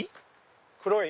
黒い。